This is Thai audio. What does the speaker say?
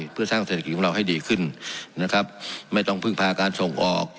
เพื่อสร้างเศรษฐกิจของเราให้ดีขึ้นนะครับไม่ต้องพึ่งพาการส่งออก